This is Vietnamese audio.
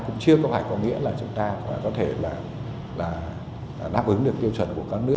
cũng chưa có nghĩa là chúng ta có thể đáp ứng được tiêu chuẩn của các nước